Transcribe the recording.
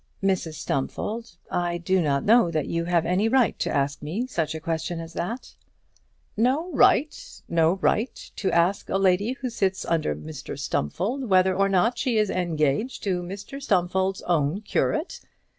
"Mrs Stumfold, I do not know that you have any right to ask me such a question as that." "No right! No right to ask a lady who sits under Mr Stumfold whether or not she is engaged to Mr Stumfold's own curate!